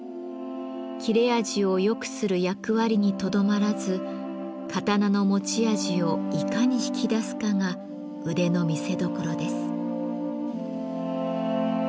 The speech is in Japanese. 切れ味を良くする役割にとどまらず刀の持ち味をいかに引き出すかが腕の見せどころです。